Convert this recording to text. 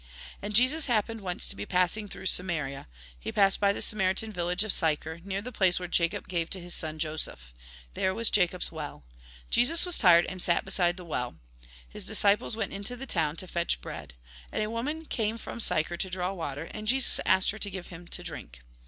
And Jesus happened once to be passing through Samaria. He passed by the Samaritan village of Sychar, near the place which Jacob gave to his son Joseph. There was Jacob's well. Jesus was tired, and sat beside the well. His disciples \\'ent into the town to fetch bread. And a woman came from Sychar to draw water, and Jesus asked her to give him to drink.